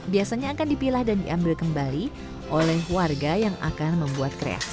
biasanya akan dipilah dan diambil kembali oleh warga yang akan membuat kreasi